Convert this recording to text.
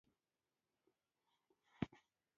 وژنه د امید قاتله ده